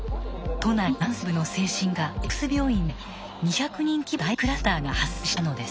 都内南西部の精神科Ｘ病院で２００人規模の大クラスターが発生したのです。